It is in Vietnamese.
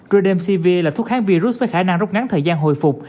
rademsevir là thuốc kháng virus với khả năng rút ngắn thời gian hồi phục